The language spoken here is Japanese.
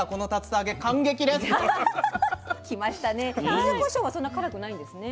ゆずこしょうはそんなからくないんですね？